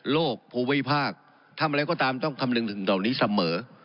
โลกภูวิภาคทำอะไรก็ตามต้องคำลึงถึงตรงนี้เสมอ